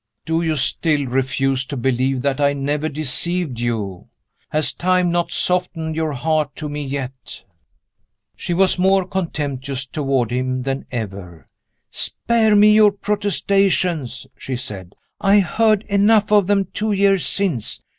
"Do you still refuse to believe that I never deceived you? Has time not softened your heart to me yet?" She was more contemptuous toward him than ever. "Spare me your protestations," she said; "I heard enough of them two years since.